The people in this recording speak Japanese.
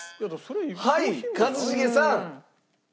はい一茂さん。